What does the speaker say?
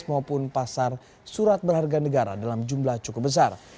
maupun pasar surat berharga negara dalam jumlah cukup besar